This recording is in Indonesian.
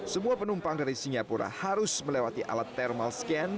semua penumpang dari singapura harus melewati alat thermal scan